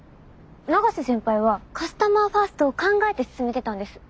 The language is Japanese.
永瀬先輩はカスタマーファーストを考えて勧めてたんです。